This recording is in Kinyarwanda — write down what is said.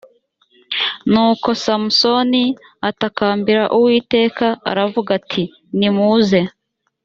nuko samusoni atakambira uwiteka aravuga ati nimuze